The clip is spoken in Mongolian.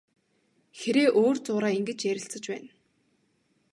Хэрээ өөр зуураа ингэж ярилцаж байна.